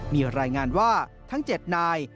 มีรายงานว่าทั้ง๗นาย